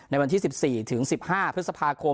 ในวันที่๑๔ถึง๑๕พฤษภาคม